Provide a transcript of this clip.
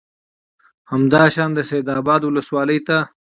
همدا شان د سید آباد ولسوالۍ ته